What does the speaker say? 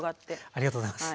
ありがとうございます。